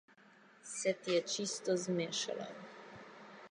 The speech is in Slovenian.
Se ti je čisto zmešalo?